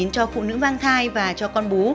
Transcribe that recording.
cho phụ nữ mang thai và cho con bú